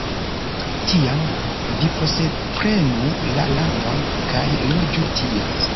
Tiam vi posedprenu la landon, kaj loĝu tie.